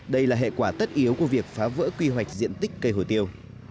đây là hệ quả tất yếu của việc phá vỡ quy hoạch diện tích cây hồ tiêu